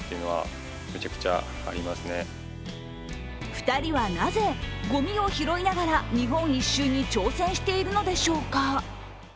２人はなぜ、ごみを拾いながら日本一周に挑戦しているのでしょうか。